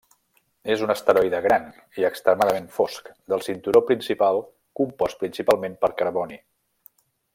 És un asteroide gran, i extremadament fosc, del cinturó principal compost principalment per carboni.